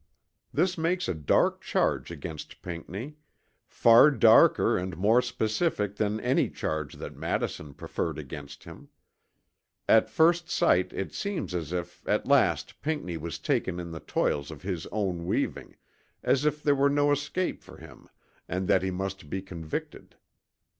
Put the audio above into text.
This makes a dark charge against Pinckney far darker and more specific than any charge that Madison preferred against him. At first sight it seems as if at last Pinckney was taken in the toils of his own weaving, as if there were no escape for him and that he must be convicted.